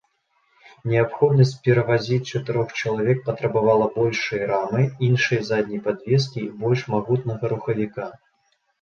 Неабходнасць перавазіць чатырох чалавек патрабавала большай рамы, іншай задняй падвескі і больш магутнага рухавіка.